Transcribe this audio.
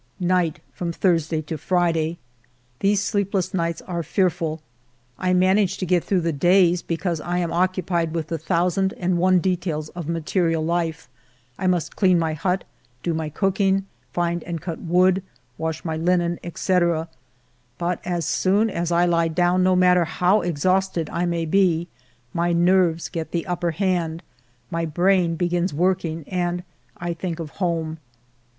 ALFRED DREYFUS 123 Night from Thursday to Friday, These sleepless nights are fearful. I manage to get through the days because I am occupied with the thousand and one details of material life: 1 must clean my hut, do my cooking, find and cut wood, wash my linen, etc. But as soon as I he down, no matter how exhausted I may be, my nerves get the upper hand, my brain begins working, and I think of home.